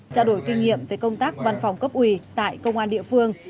trao đổi kinh nghiệm về công tác văn phòng cấp ủy tại công an địa phương